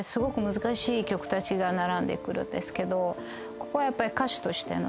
ここはやっぱり。